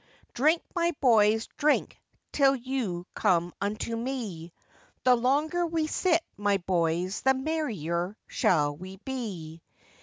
Drink, my boys, drink till you come unto me, The longer we sit, my boys, the merrier shall we be!